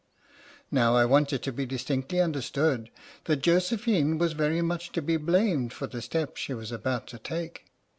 Now I want it to be distinctly understood that Josephine was very much to be blamed for the step she was about to take.